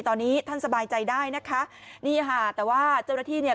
ตอนนี้ท่านสบายใจได้นะคะนี่ค่ะแต่ว่าเจ้าหน้าที่เนี่ย